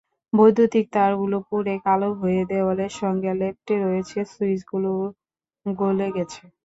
বৈদ্যুতিক তারগুলো পুড়ে কালো হয়ে দেয়ালের সঙ্গে লেপ্টে রয়েছে, সুইচগুলো গলে গেছে।